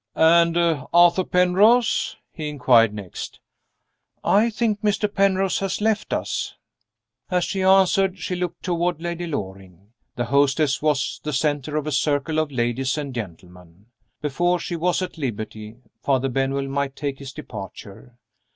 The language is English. "And Arthur Penrose?" he inquired next. "I think Mr. Penrose has left us." As she answered she looked toward Lady Loring. The hostess was the center of a circle of ladies and gentlemen. Before she was at liberty, Father Benwell might take his departure.